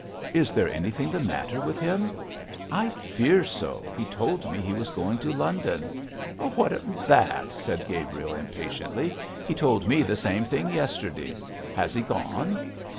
Is there anything the matter with him?' 'I fear so. He told me that he was going to London.' 'What of that?' said Gabriel, impatiently. 'He told me the same thing yesterday. Has he gone?'